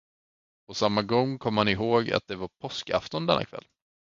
På samma gång kom han ihåg, att det var påskafton denna kväll.